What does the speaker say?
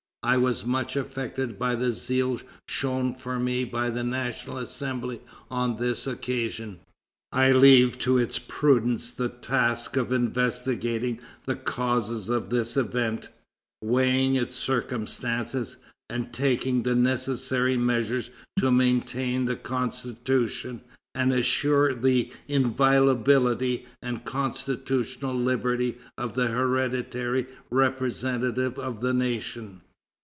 I was much affected by the zeal shown for me by the National Assembly on this occasion. I leave to its prudence the task of investigating the causes of this event, weighing its circumstances, and taking the necessary measures to maintain the Constitution and assure the inviolability and constitutional liberty of the hereditary representative of the nation.